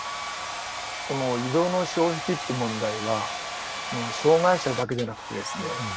この移動の障壁という問題は障害者だけじゃなくてですね